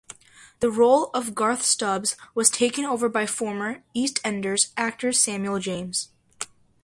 The role of Garth Stubbs was taken over by former "EastEnders" actor Samuel James.